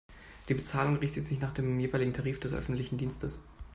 Die Bezahlung richtet sich nach dem jeweiligen Tarif des öffentlichen Dienstes.